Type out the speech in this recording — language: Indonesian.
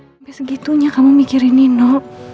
sampai segitunya kamu mikirin nino